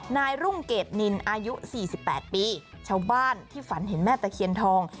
นายรุ่งเกรดนินอายุ๔๘ปีชาวบ้านที่ฝันเห็นแม่ตะเคียนทอง